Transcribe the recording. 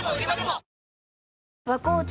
新「和紅茶」